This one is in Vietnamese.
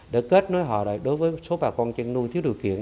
để kết nối họ đối với một số bà con chăn nuôi thiếu điều kiện